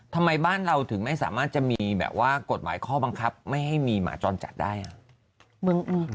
ทำไมบ้านเราถึงไม่สามารถจะมีแบบว่ากฎหมายข้อบังคับไม่ให้มีหมาจรจัดได้อ่ะ